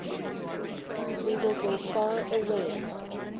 We will go far away.